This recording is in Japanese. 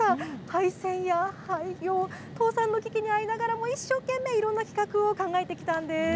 廃線や廃業、倒産の危機に遭いながらも、一生懸命いろんな企画を考えてきたんです。